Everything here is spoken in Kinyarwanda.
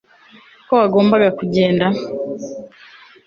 ko wagombaga kugenda